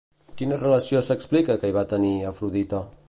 Quina relació s'explica que hi va tenir, Afrodita?